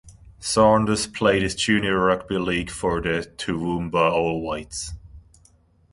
Saunders played his junior rugby league for the Toowoomba All Whites.